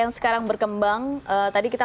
yang sekarang berkembang tadi kita